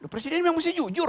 presiden memang mesti jujur